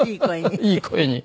いい声に？